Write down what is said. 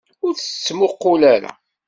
Ur tt-ttmuqqul ara!